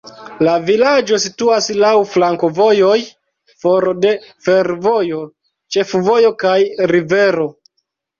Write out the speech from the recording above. La vilaĝo situas laŭ flankovojoj, for de fervojo, ĉefvojo kaj rivero.